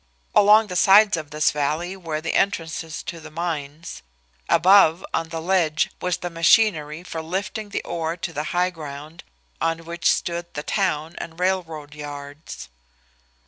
Along the sides of this valley were the entrances to the mines. Above, on the ledge, was the machinery for lifting the ore to the high ground on which stood the town and railroad yards.